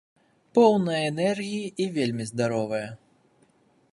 Поўная энергіі і вельмі здаровая.